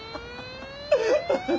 フフフ！